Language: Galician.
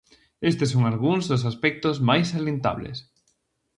Estes son algúns dos aspectos máis salientables: